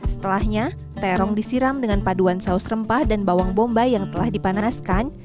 setelahnya terong disiram dengan paduan saus rempah dan bawang bombay yang telah dipanaskan